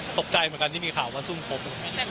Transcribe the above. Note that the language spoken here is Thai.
ตกใจเหมือนกันที่มีข่าวว่าซุ่มครบ